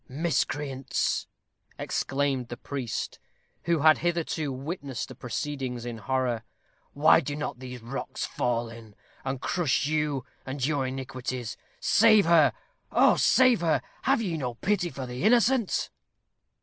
"Miscreants!" exclaimed the priest, who had hitherto witnessed the proceedings in horror. "Why do not these rocks fall in, and crush you and your iniquities? Save her! oh, save her! Have you no pity for the innocent?"